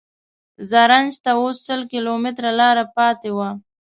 زرنج ته اوس سل کیلومتره لاره پاتې وه.